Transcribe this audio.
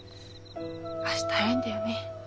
明日早いんだよね？